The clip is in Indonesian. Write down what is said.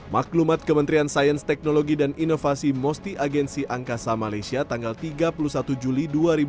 maklumat kementerian sains teknologi dan inovasi mosti agensi angkasa malaysia tanggal tiga puluh satu juli dua ribu dua puluh